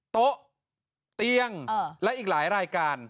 โต๊ะเตียงและอีกหลายรายการ